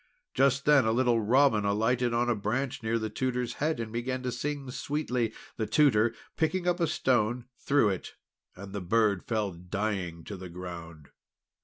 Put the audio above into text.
Just then a little Robin alighted on a branch near the Tutor's head, and began to sing sweetly. The Tutor, picking up a stone, threw it, and the bird fell dying to the ground.